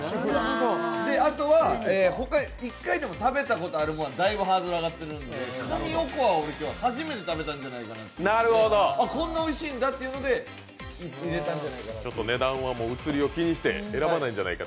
あとは、１回でも食べたことがあるのはだいぶハードルが上がってるんで蟹おこわにおいては初めて食べたんじゃないかということで、こんなおいしいんだっていうので入れたんじゃないかな。